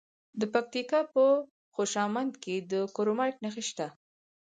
د پکتیکا په خوشامند کې د کرومایټ نښې شته.